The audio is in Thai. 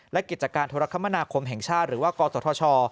และกิจการโทรคมนาคมแห่งชาติหรือว่ากศธช